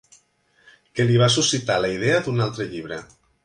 Que li va suscitar la idea d'un altre llibre.